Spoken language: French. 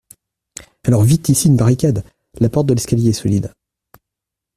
Alors, vite ici une barricade ! La porte de l'escalier est solide.